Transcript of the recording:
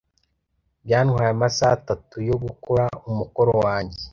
Byantwaye amasaha atatu yo gukora umukoro wanjye.